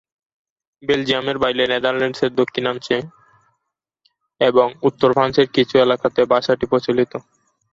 বেলজিয়ামের বাইরে নেদারল্যান্ডসের দক্ষিণাংশে এবং উত্তর ফ্রান্সের কিছু এলাকাতে ভাষাটি প্রচলিত।